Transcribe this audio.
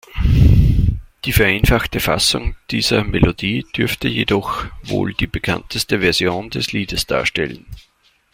Die vereinfachte Fassung dieser Melodie dürfte jedoch wohl die bekannteste Version des Liedes darstellen.